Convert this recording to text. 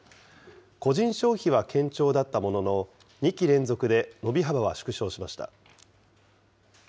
個人消費は堅調だったものの、２期連続で伸び幅は縮小しました。